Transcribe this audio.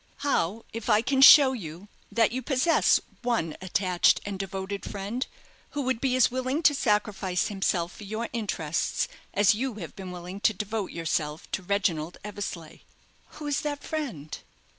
How if I can show you that you possess one attached and devoted friend, who would be as willing to sacrifice himself for your interests as you have been willing to devote yourself to Reginald Eversleigh?" "Who is that friend?"